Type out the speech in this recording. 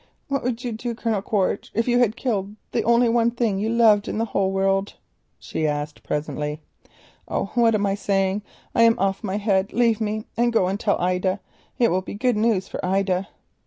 "What would you do, Colonel Quaritch, if you had killed the only thing you loved in the whole world?" she asked dreamily. "Oh, what am I saying?—I am off my head. Leave me—go and tell Ida; it will be good news for Ida."